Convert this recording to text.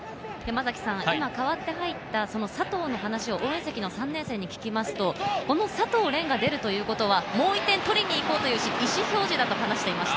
今代わって入った佐藤の話を応援席の３年生に聞きますと、佐藤漣が出るということはもう１点取りに行こうという意思表示だと話していました。